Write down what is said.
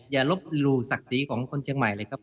อย่าลบหลู่ศักดิ์ศรีของคนเชียงใหม่เลยครับ